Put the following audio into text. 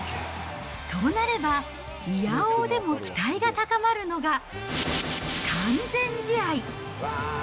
となれば、いやおうでも期待が高まるのが完全試合。